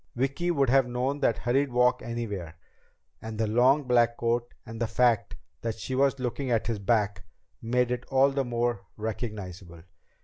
Vicki would have known that hurried walk anywhere, and the long black coat, and the fact that she was looking at his back, made it all the more recognizable.